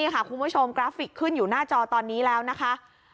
คุณผู้ชมกราฟิกขึ้นอยู่หน้าจอตอนนี้แล้วนะคะ